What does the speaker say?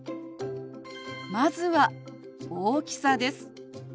まずは大きさです。